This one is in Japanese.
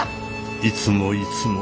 いつもいつも。